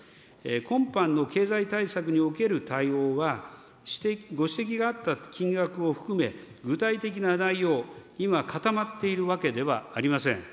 今般の経済対策における対応は、ご指摘があった金額を含め、具体的な内容、今固まっているわけではありません。